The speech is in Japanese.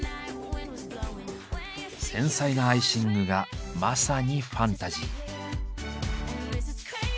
繊細なアイシングがまさにファンタジー。